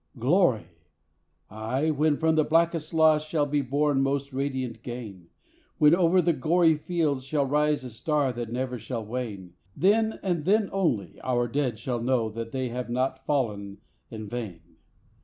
Glory! Ay, when from blackest loss shall be born most radiant gain; When over the gory fields shall rise a star that never shall wane: Then, and then only, our Dead shall know that they have not fall'n in vain.